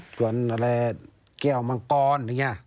ส่วนแก้วมังกร